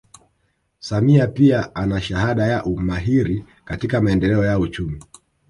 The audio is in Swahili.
Samia pia ana shahada ya umahiri katika maendeleo ya uchumi